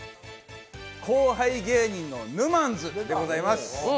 後輩芸人のぬまんづでございます。